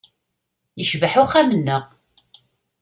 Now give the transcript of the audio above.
Yecbeḥ uxxam-nneɣ.